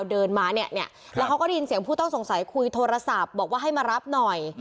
เดินมาเนี่ยแล้วเขาก็ได้ยินเสียงผู้ต้องสงสัยคุยโทรศัพท์บอกว่าให้มารับหน่อย